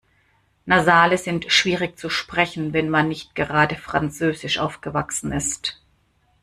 Nasale sind schwierig zu sprechen, wenn man nicht gerade französisch aufgewachsen ist.